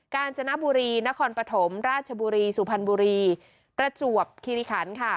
กาญจนบุรีนครปฐมราชบุรีสุพรรณบุรีประจวบคิริขันค่ะ